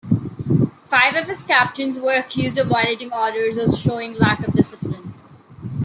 Five of his captains were accused of violating orders or showing lack of discipline.